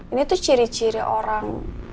ini tuh ciri ciri orang